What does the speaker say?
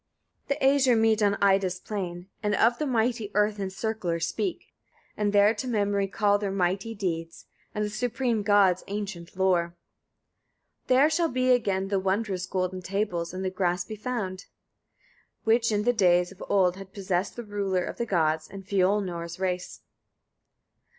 58. The Æsir meet on Ida's plain, and of the mighty earth encircler speak, and there to memory call their mighty deeds, and the supreme god's ancient lore. 59. There shall again the wondrous golden tables in the grass be found, which in days of old had possessed the ruler of the gods, and Fiölnir's race.